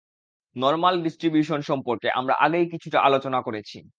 Normal distribution সম্পর্কে আমরা আগেই কিছুটা আলোচনা করেছি।